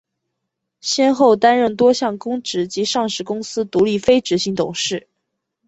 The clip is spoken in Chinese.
先后担任多项公职及上市公司独立非执行董事。